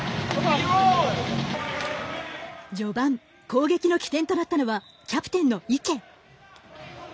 序盤攻撃の起点となったのはキャプテンの池。